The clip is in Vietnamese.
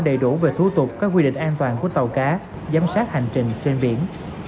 đảm bảo đầy đủ về thủ tục các quy định an toàn của tàu cá giám sát hành trình trên biển